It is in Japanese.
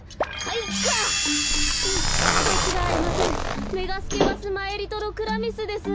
まちがいありませんメガスケバスマエリトロクラミスです。